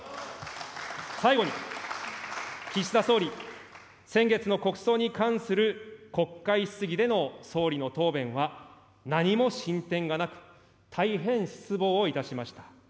最後に、岸田総理、先月の国葬に関する国会質疑での総理の答弁は何も進展がなく、大変失望をいたしました。